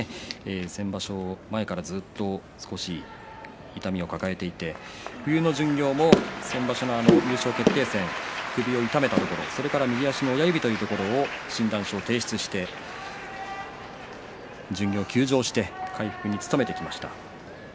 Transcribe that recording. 先場所前からずっと痛みを抱えていて冬の巡業も、先場所の優勝決定戦痛めたところそれから右の親指というところも診断書を提出して巡業を休場して回復に努めてきました。